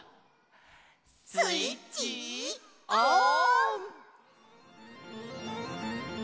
スイッチオン！